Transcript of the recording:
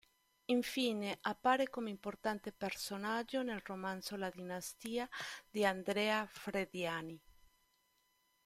Infine appare come importante personaggio nel romanzo "La dinastia", di Andrea Frediani.